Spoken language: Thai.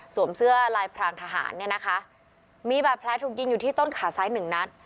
เสื้อลายพรางทหารเนี่ยนะคะมีบาดแผลถูกยิงอยู่ที่ต้นขาซ้ายหนึ่งนัด